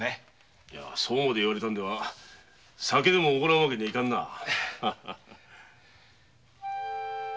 そうまで言われたんでは酒でも奢らんわけにはいかんな。だれか来たようだぞ。